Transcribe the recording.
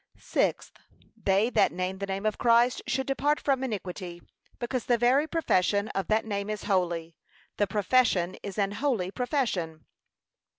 Sixth, They that name the name of Christ should depart from iniquity, because the very profession of that name is holy. The profession is an holy profession.